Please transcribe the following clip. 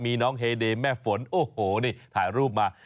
มีน้องเฮเดย์แม่ฝนโอ้โหนี่ถ่ายรูปมา